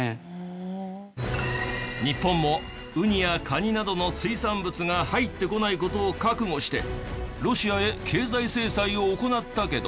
日本もウニやカニなどの水産物が入ってこない事を覚悟してロシアへ経済制裁を行ったけど。